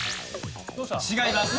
違います。